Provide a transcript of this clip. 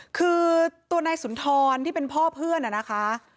คือตัวนายสุนทรที่เป็นพ่อเพื่อนนะคะ